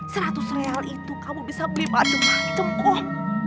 seratus real itu kamu bisa beli baju macam kom